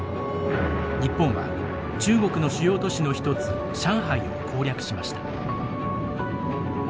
日本は中国の主要都市の一つ上海を攻略しました。